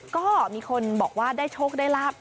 ก็มีคนบอกว่าได้โชคได้ลาบ